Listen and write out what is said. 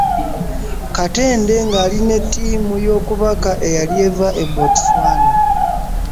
Katende ng'ali ne ttiimu y'okubaka eyali eva e Botswana.